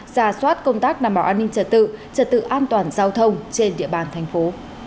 giả soát công tác đảm bảo an ninh trật tự trật tự an toàn giao thông trên địa bàn thành phố